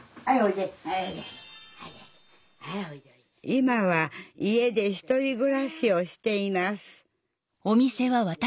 今は家で１人ぐらしをしています